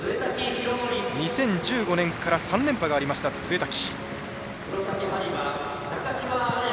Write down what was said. ２０１５年から３連覇があった、潰滝。